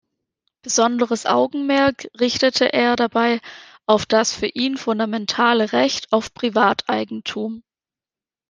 Besonderes Augenmerk richtete er dabei auf das für ihn fundamentale Recht auf Privateigentum.